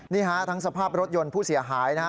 นี่ฮะทั้งสภาพรถยนต์ผู้เสียหายนะฮะ